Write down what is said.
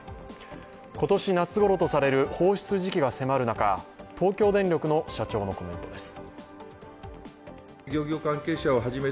今年夏ごろとされる放出時期が迫る中、東京電力の社長のコメントです。